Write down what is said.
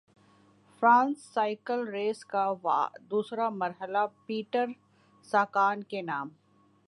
France cycle race کا دوسرا مرحلہ پیٹرساگان کے نام